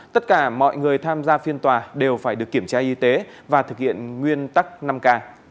tất cả mọi người tham gia phiên tòa đều phải được kiểm tra y tế và thực hiện nguyên tắc năm k